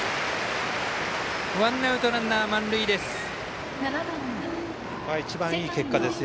ワンアウトランナー、満塁です。